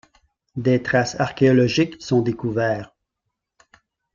des traces archéologiques sont découverts